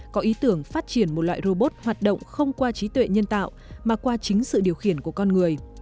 có ý tưởng phát triển một loại robot hoạt động không qua trí tuệ nhân tạo mà qua chính sự điều khiển của con người